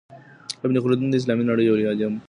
ابن خلدون د اسلامي نړۍ يو لوی عالم دی.